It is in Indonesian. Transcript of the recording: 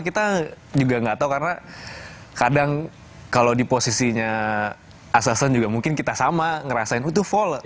kita juga gak tau karena kadang kalau di posisinya excelsen juga mungkin kita sama ngerasain itu vol